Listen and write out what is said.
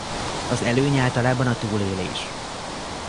Az előny általában a túlélés.